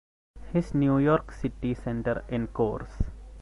His New York City Center Encores!